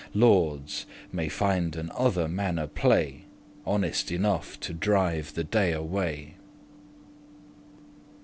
Lordes may finden other manner play Honest enough to drive the day away.